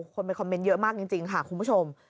คนไปคอมเมนต์เยอะมากจริงค่ะคุณผู้ชม